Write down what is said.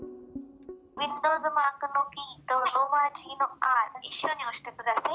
ウィンドウズマークのキーと、ローマ字のＲ、一緒に押してください。